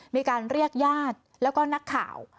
มีการเรียกญาติแล้วก็นักข่าว